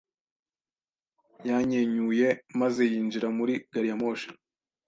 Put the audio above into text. Yanyenyuye maze yinjira muri gari ya moshi.